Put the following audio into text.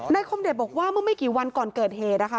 คมเดชบอกว่าเมื่อไม่กี่วันก่อนเกิดเหตุนะคะ